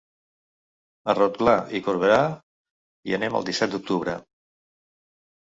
A Rotglà i Corberà hi anem el disset d'octubre.